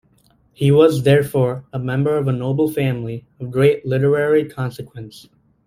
He was, therefore, a member of a noble family of great literary consequence.